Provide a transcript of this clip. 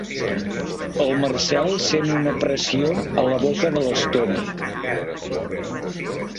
El Marcel sent una pressió a la boca de l'estómac.